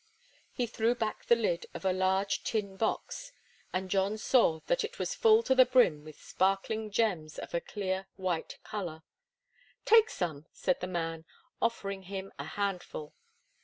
He threw back the lid of a large tin box, and John saw that it was full to the brim with sparkling gems of a clear white color. "Take some," said the man, offering him a handful.